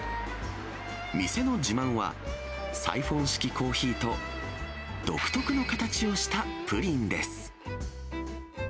店の自慢は、サイフォン式コーヒーと、独特の形をしたプリンです。